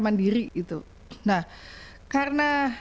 mandiri itu nah karena